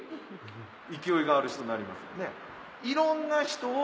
勢いがある人になりますよね。